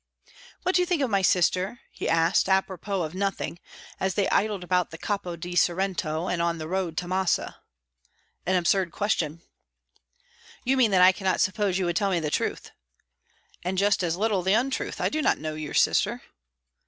"What do you think of my sister?" he asked, a propos of nothing, as they idled about the Capo di Sorrento and on the road to Massa. "An absurd question." "You mean that I cannot suppose you would tell me the truth." "And just as little the untruth. I do not know your sister."